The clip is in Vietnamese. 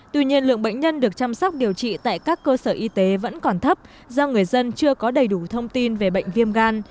tuy nhiên lượng bệnh nhân được chăm sóc điều trị tại các cơ sở y tế vẫn còn thấp do người dân chưa có đầy đủ thông tin về bệnh viêm gan